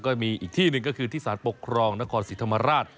ก็มีอีกที่หนึ่งก็คือที่สารปกครองนครศรีธรรมราช